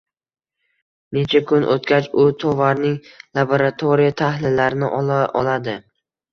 necha kun o‘tgach u tovarning laboratoriya tahlillarini ola oladi?